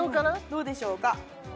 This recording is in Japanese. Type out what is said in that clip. どうでしょうか？